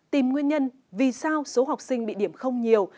tìm nguyên nhân vì sao số học sinh bị điểm không nhiều